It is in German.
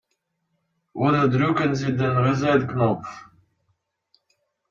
Oder drücken Sie den Reset-Knopf.